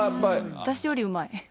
私よりうまい。